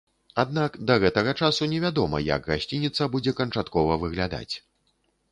Аднак да гэтага часу не вядома, як гасцініца будзе канчаткова выглядаць.